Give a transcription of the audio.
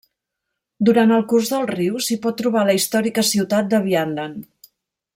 Durant el curs del riu s'hi pot trobar la històrica ciutat de Vianden.